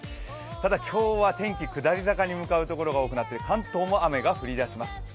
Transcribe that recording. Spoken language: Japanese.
ただ今日は天気、下り坂に向かうところが多くなって、関東も雨が降り出します。